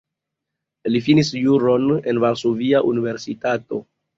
Li finis juron en Varsovia Universitato.